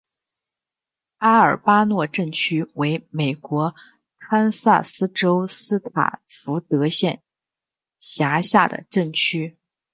阿尔巴诺镇区为美国堪萨斯州斯塔福德县辖下的镇区。